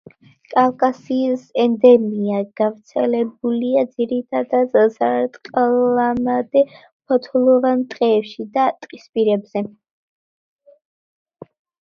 კავკასიის ენდემია, გავრცელებულია ძირითადად სარტყლამდე ფოთლოვან ტყეებში და ტყისპირებზე.